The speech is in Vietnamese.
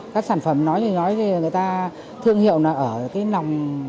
các sản phẩm nói thì nói người ta thương hiệu nó ở cái nòng